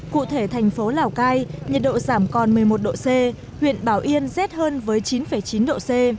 cụ thể thành phố lào cai nhiệt độ giảm còn một mươi một độ c huyện bảo yên rét hơn với chín chín độ c